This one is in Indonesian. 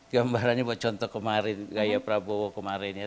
gambarannya buat contoh kemarin gaya prabowo kemarin ya